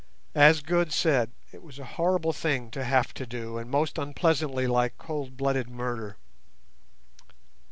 As Good said, it was a horrible thing to have to do, and most unpleasantly like cold blooded murder.